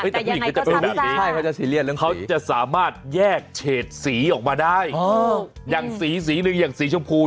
แต่ยังไงเขาทำแบบนี้เขาจะสามารถแยกเฉดสีออกมาได้อย่างสีสีหนึ่งอย่างสีชมพู